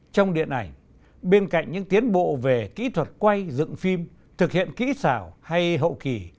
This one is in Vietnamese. trong điện ảnh bên cạnh những tiến bộ về kỹ thuật quay dựng phim thực hiện kỹ xảo hay hậu kỳ